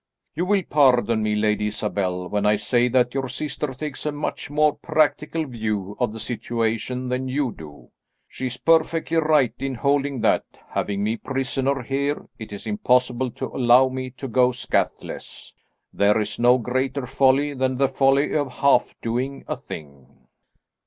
You will pardon me, Lady Isabel, when I say that your sister takes a much more practical view of the situation than you do. She is perfectly right in holding that, having me prisoner here, it is impossible to allow me to go scatheless. There is no greater folly than the folly of half doing a thing."